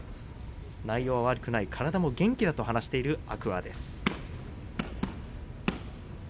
内容は悪くない、体も元気だと話している天空海です。